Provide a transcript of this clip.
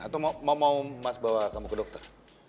atau mau mau mas bawa kamu ke dokter